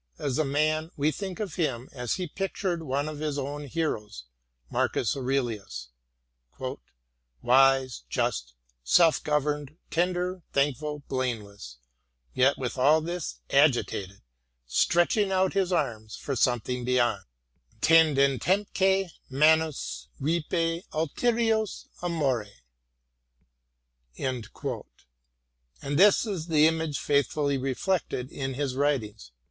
As a man we think of him as he pictured one of his own heroes — Marcus Aurelius :" Wise, just, self governed, tender, thankful, blameless ; yet with all this agitated, stretching out his arms for something beyond — tendentemque tnanus rifa ulterioris amore "; and this is the image faithfully reflected in his writings.